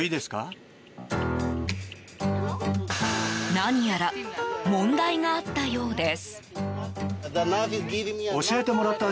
何やら問題があったようです。